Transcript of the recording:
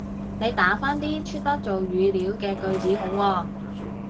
你打返啲出得做語料嘅句子好喎